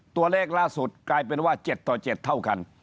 ตัวเลขล่าสุดกลายเป็นว่า๗ต่อ๗เท่ากัน